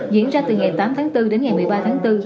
diễn ra từ ngày tám tháng bốn đến ngày một mươi ba tháng bốn